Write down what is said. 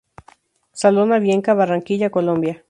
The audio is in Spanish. Salón Avianca, Barranquilla, Colombia.